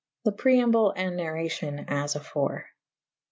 The preamble and narracion as afore.